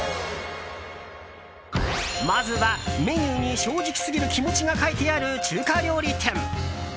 まずは、メニューに正直すぎる気持ちが書いてある中華料理店。